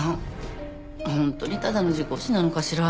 ホントにただの事故死なのかしら。